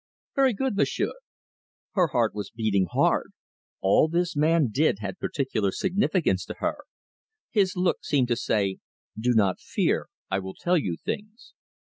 "Very good, Monsieur." Her heart was beating hard. All this man did had peculiar significance to her. His look seemed to say: "Do not fear. I will tell you things."